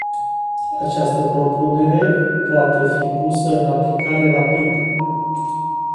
Această propunere poate fi pusă în aplicare rapid.